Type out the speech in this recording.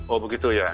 oh begitu ya